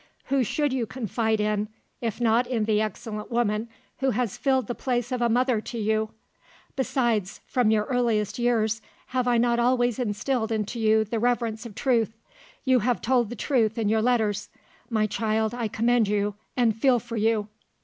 Who should you confide in if not in the excellent woman who has filled the place of a mother to you? Besides, from your earliest years, have I not always instilled into you the reverence of truth? You have told the truth in your letters. My child, I commend you, and feel for you.